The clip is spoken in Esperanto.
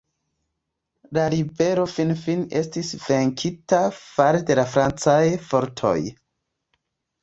La ribelo finfine estis venkita fare de la Francaj fortoj.